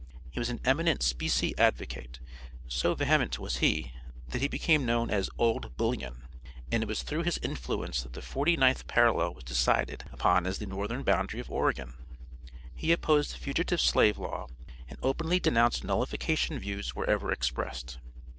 He was an eminent specie advocate; so vehement was he that he became known as "OLD BULLION," and it was through his influence that the forty ninth parallel was decided upon as the northern boundary of Oregon. He opposed the fugitive slave law, and openly denounced nullification views wherever expressed.